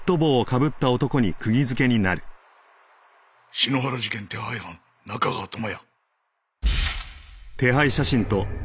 篠原事件手配犯中川智哉